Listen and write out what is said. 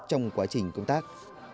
trong quá trình công tác